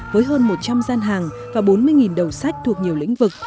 với hơn một trăm linh gian hàng và bốn mươi đầu sách thuộc nhiều lĩnh vực